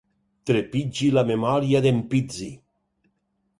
Trepitgi la memòria d'en Pizzi.